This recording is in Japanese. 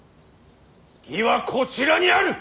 義はこちらにある！